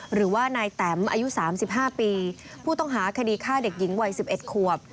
หรือว่านายแตมอายุ๓๕ปีผู้ต้องหาคดีฆ่าเด็กหญิงวัย๑๑ขวบ